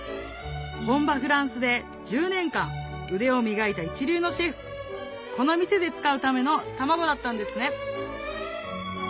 本場フランスで１０年間腕を磨いた一流のシェフこの店で使うための卵だったんですね